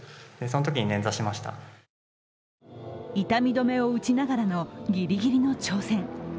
痛み止めを打ちながらのギリギリの挑戦。